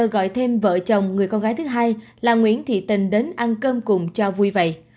gọi thêm vợ chồng người con gái thứ hai là nguyễn thị tình đến ăn cơm cùng cho vui vậy